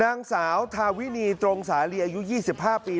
นางสาวทาวินีตรงสาลีอายุ๒๕ปี